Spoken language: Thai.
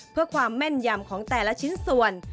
เพื่อความแม่นยำของแต่ละชิ้นส่วน